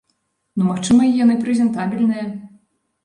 Ну, магчыма, яны прэзентабельныя.